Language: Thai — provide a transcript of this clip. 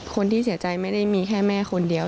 คนที่เสียใจไม่ได้มีแค่แม่คนเดียว